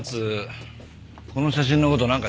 この写真の事なんか知ってるぞ。